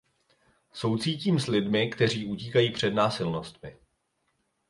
Soucítím s lidmi, kteří utíkají před násilnostmi.